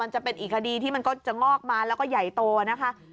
จะเป็นอีกคดีที่มันก็จะงอกมาแล้วก็ใหญ่โตนะคะ